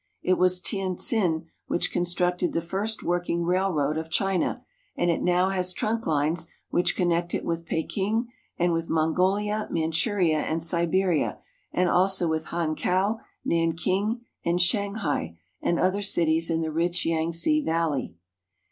It was Tientsin which constructed the first working railroad of China, and it now has trunk lines which connect it with Peking, and with Mongolia, Manchuria, and Siberia, and also with Hankau, Nanking, and Shanghai and other cities in the rich Yangtze valley.